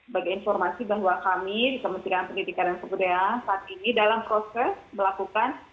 bagi informasi bahwa kami di kementerian pendidikan dan kebudayaan saat ini dalam proses melakukan